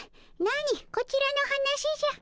なにこちらの話じゃ。